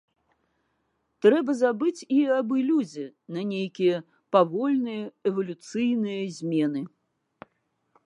Трэба забыць і аб ілюзіі на нейкія павольныя эвалюцыйныя змены.